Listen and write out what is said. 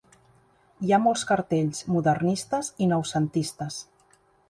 Hi ha molts cartells modernistes i noucentistes.